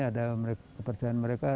ada kepercayaan mereka